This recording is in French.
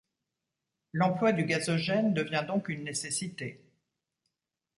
L’emploi du gazogène devient donc une nécessité.